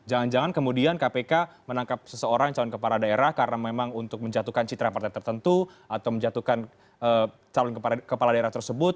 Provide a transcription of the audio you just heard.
jangan jangan kemudian kpk menangkap seseorang calon kepala daerah karena memang untuk menjatuhkan citra partai tertentu atau menjatuhkan calon kepala daerah tersebut